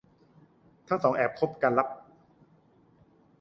ทั้งสองถึงแอบคบกันลับ